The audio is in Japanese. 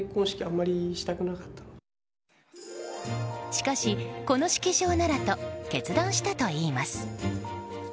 しかし、この式場ならと決断したといいます。